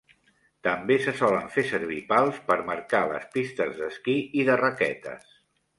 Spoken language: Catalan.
També se solen fer servir pals per marcar les pistes d'esquí i de raquetes.